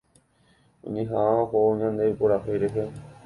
Oñeha'ã ohóvo ñande purahéi rehe.